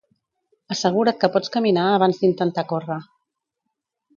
Assegura't que pots caminar abans d'intentar córrer.